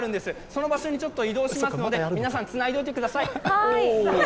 その場所に移動するので、皆さんつないでおいてください！